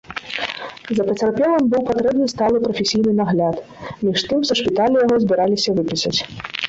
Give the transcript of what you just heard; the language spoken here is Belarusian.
За пацярпелым быў патрэбны сталы прафесійны нагляд, між тым са шпіталя яго збіраліся выпісаць.